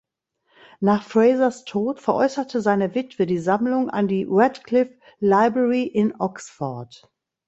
Nach Frasers Tod veräußerte seine Witwe die Sammlung an die Radcliffe Library in Oxford.